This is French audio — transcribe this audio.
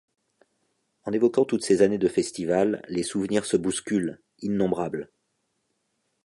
En évoquant toutes ces années de Festival, les souvenirs se bousculent, innombrables.